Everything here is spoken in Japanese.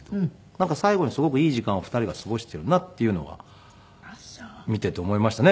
なんか最後にすごくいい時間を２人は過ごしているなっていうのは見ていて思いましたね